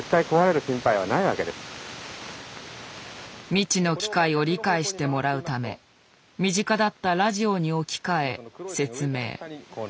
未知の機械を理解してもらうため身近だったラジオに置き換え説明。